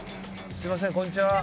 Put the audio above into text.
すみませんこんにちは。